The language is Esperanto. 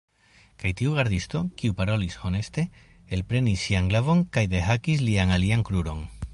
Kaj tiu gardisto, kiu parolis honeste, elprenis sian glavon kaj dehakis lian alian kruron.